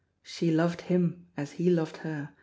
She loved him, as he loved her.